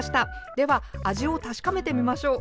では味を確かめてみましょう。